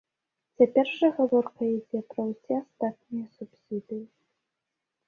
Цяпер жа гаворка ідзе пра ўсе астатнія субсідыі.